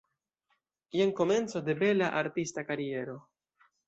Jen komenco de bela artista kariero.